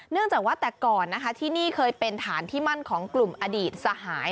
จากว่าแต่ก่อนนะคะที่นี่เคยเป็นฐานที่มั่นของกลุ่มอดีตสหาย